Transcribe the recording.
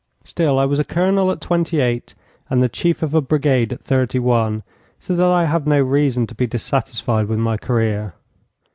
Still, I was a colonel at twenty eight, and the chief of a brigade at thirty one, so that I have no reason to be dissatisfied with my career.